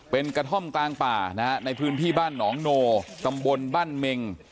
เป็นกระท่อมกลางป่านะฮะในพื้นที่บ้านหนองโนตำบลบ้านเมง